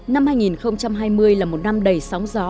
năm hai nghìn hai mươi là một năm đầy sóng gió